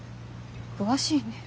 詳しいね。